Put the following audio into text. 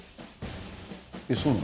えっそうなの？